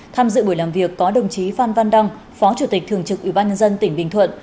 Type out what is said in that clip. tham dự buổi làm việc có đồng chí phan văn đăng phó chủ tịch thường trực ủy ban nhân dân tỉnh bình thuận